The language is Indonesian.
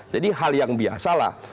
jadi hal yang biasa lah